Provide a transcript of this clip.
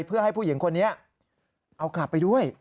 เพื่อให้ผู้หญิงคนนี้เอากลับไปด้วย